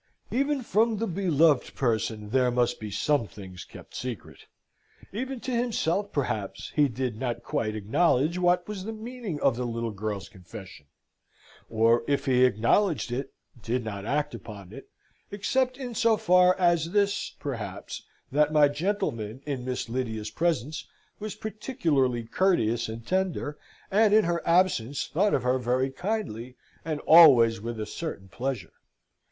Even from the beloved person there must be some things kept secret; even to himself, perhaps, he did not quite acknowledge what was the meaning of the little girl's confession; or, if he acknowledged it, did not act on it; except in so far as this, perhaps, that my gentleman, in Miss Lydia's presence, was particularly courteous and tender; and in her absence thought of her very kindly, and always with a certain pleasure.